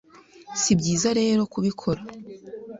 Si byiza rero kubikora